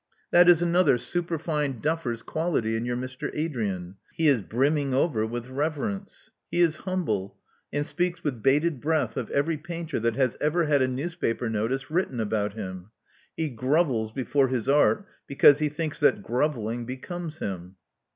That is another superfine duffer's quality in your Mr. Adrian. He is brimming over with reverence. He is humble, and speaks with bated breath of every painter that has ever had a newspaper notice written about him. He grovels before his art because he thinks that grovelling becomes him."